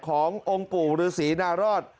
ขององค์ปู่ฤษีนารอด